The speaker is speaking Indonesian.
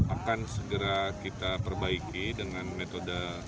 akan segera kita perbaiki dengan metode